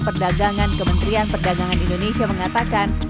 perdagangan kementerian perdagangan indonesia mengatakan